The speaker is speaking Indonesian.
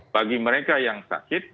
bagi mereka yang sakit